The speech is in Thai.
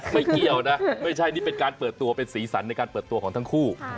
เกี่ยวนะไม่ใช่นี่เป็นการเปิดตัวเป็นสีสันในการเปิดตัวของทั้งคู่